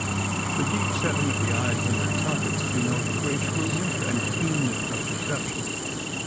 The deep setting of the eyes in their sockets denotes great shrewdness and keenness of perception.